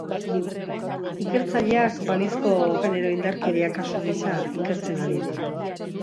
Ikertzaileak balizko genero indarkeria kasu gisa ikertzen ari dira.